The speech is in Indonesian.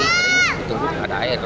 jadi ditunggu ada air